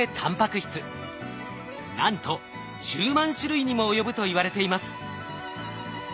なんと１０万種類にも及ぶといわれています。